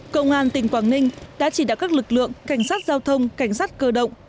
công an tỉnh quảng ninh đã chỉ đạo các lực lượng cảnh sát giao thông cảnh sát cơ động